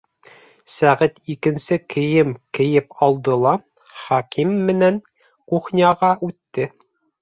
Сәғит икенсе кейем кейеп алды ла Хәким менән кухняға үтте.